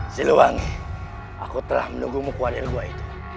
seluwangi aku telah menunggumu kuadir gua itu